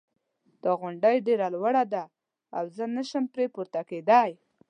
دا غونډی ډېره لوړه ده او زه نه شم پری پورته کېدای